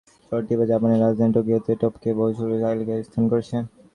শহরটি এবার জাপানের রাজধানী টোকিওকে টপকে ব্যয়বহুল শহরের তালিকায় স্থান করে নিয়েছে।